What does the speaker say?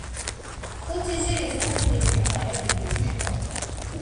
protégez les angles des murs à l’aide de ruban